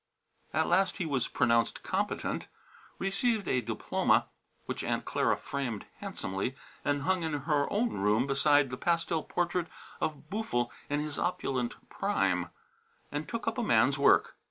At last he was pronounced competent, received a diploma (which Aunt Clara framed handsomely and hung in her own room beside the pastel portrait of Boo'ful in his opulent prime) and took up a man's work.